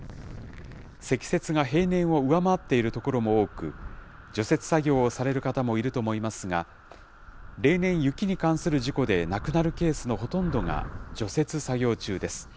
積雪が平年を上回っている所も多く、除雪作業をされる方もいると思いますが、例年、雪に関する事故で亡くなるケースのほとんどが除雪作業中です。